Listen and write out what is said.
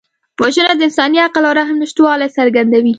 وژنه د انساني عقل او رحم نشتوالی څرګندوي